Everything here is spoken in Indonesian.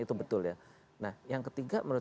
itu betul ya nah yang ketiga menurut